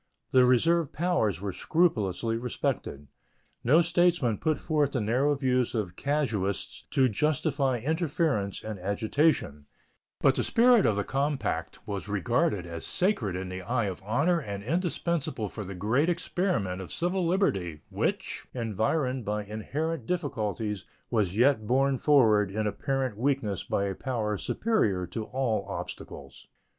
The reserved powers were scrupulously respected. No statesman put forth the narrow views of casuists to justify interference and agitation, but the spirit of the compact was regarded as sacred in the eye of honor and indispensable for the great experiment of civil liberty, which, environed by inherent difficulties, was yet borne forward in apparent weakness by a power superior to all obstacles.